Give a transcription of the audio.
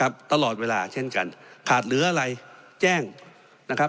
ตลอดเวลาเช่นกันขาดเหลืออะไรแจ้งนะครับ